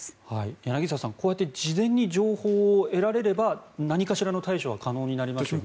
柳澤さん、こうやって事前に情報を得られれば何かしらの対処は可能になりますね。